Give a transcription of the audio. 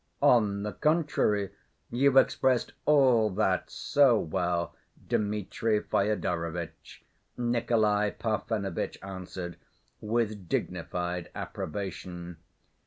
"On the contrary. You've expressed all that so well, Dmitri Fyodorovitch," Nikolay Parfenovitch answered with dignified approbation.